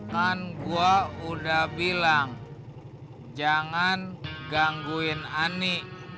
kan gue udah bilang jangan gangguin ani